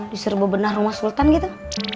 diserbu benah rumah sultan gitu